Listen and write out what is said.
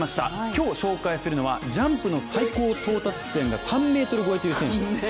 今日紹介するのは、ジャンプの最高到達点が３ｍ超えという選手です。